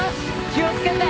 気を付けて。